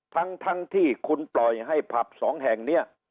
ทั้งที่คุณปล่อยให้ผับสองแห่งนี้